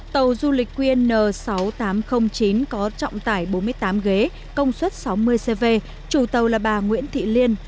tàu du lịch qn sáu nghìn tám trăm linh chín có trọng tải bốn mươi tám ghế công suất sáu mươi cv chủ tàu là bà nguyễn thị liên